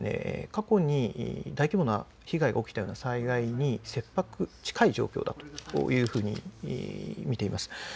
過去に大規模な被害が起きたような災害に近い状況だというふうに見ています。